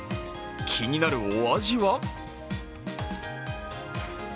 気になるお味は？